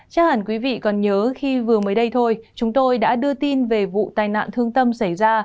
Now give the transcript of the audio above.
chắc hẳn quý vị còn nhớ khi vừa mới đây thôi chúng tôi đã đưa tin về vụ tai nạn thương tâm xảy ra